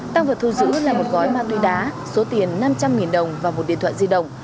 tăng vật thu giữ là một gói ma túy đá số tiền năm trăm linh đồng và một điện thoại di động